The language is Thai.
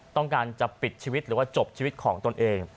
ต้องการจะปิดชีวิตหรือว่าจบชีวิตของตนเอง